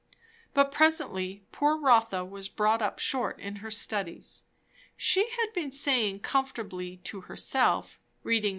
But presently poor Rotha was brought up short in her studies. She had been saying comfortably to herself, reading v.